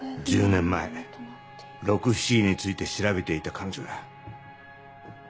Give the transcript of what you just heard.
１０年前六不思議について調べていた彼女が。